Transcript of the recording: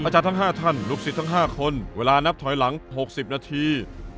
อาจารย์ทั้ง๕ท่านลูกศิษย์ทั้ง๕คนเวลานับถอยหลัง๖๐นาที